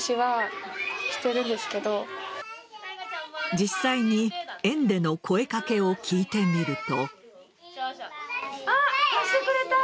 実際に園での声かけを聞いてみると。